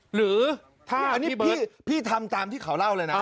หรือพี่ทำตามที่เขาเล่าเลยนะ